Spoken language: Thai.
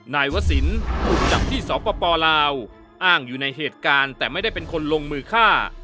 นายวศิลป์ถูกจับที่สปลาวอ้างอยู่ในเหตุการณ์แต่ไม่ได้เป็นคนลงมือฆ่า